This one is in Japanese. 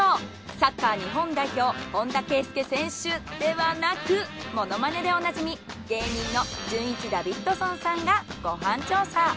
サッカー日本代表本田圭佑選手ではなくモノマネでおなじみ芸人のじゅんいちダビッドソンさんがご飯調査。